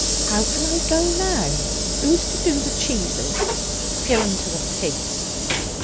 ''Ow can I go now? Who's to do the cheeses?' 'Give 'em to the pigs.'